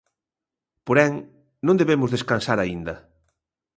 Porén, no debemos descansar aínda.